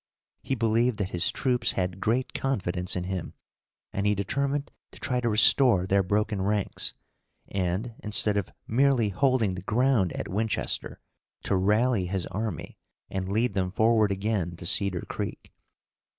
He believed that his troops had great confidence in him, and he determined to try to restore their broken ranks, and, instead of merely holding the ground at Winchester, to rally his army, and lead them forward again to Cedar Creek.